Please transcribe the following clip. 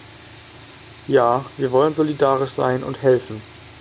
Ja, wir wollen solidarisch sein und helfen.